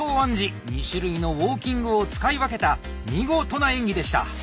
２種類のウォーキングを使い分けた見事な演技でした。